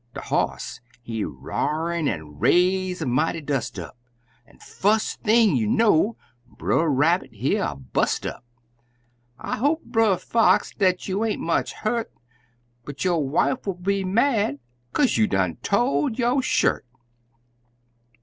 De hoss, he r'ar'd an' raise a mighty dust up, An' fust thing you know, Brer Rabbit hear a bust up! "I hope, Brer Fox, dat you ain't much hurt But yo' wife'll be mad, kaze you done tored yo' shirt!"